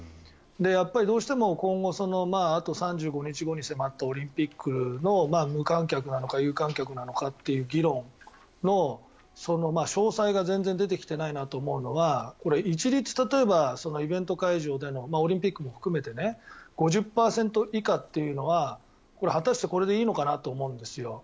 どうしても今後あと３５日後に迫ったオリンピックの無観客なのか有観客なのかという議論のその詳細が全然出てきていないなと思うのは一律例えば、イベント会場でのオリンピックも含めて５０％以下というのは果たしてこれでいいのかなと思うんですよ。